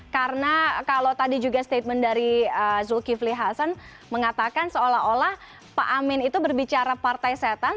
karena kalau tadi juga statement dari zulkifli hasan mengatakan seolah olah pak amin itu berbicara partai setan